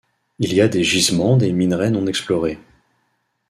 Il y a des gisements des minerais non explorés.